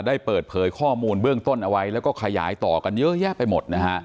ได้เปิดเผยข้อมูลเบื้องต้นเอาไว้แล้วก็ขยายต่อกันเยอะแยะไปหมดนะฮะ